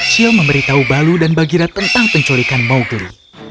chil memberitahu baloo dan bagheera tentang penculikan mowgli